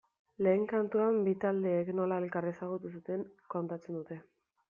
Lehen kantuan bi taldeek nola elkar ezagutu zuten kontatzen dute.